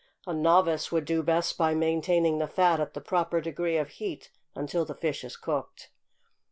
A novice would do best by maintaining the fat at the proper degree of heat until the fish is cooked.